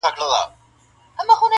دا نامرده چي په ځان داسي غره دی,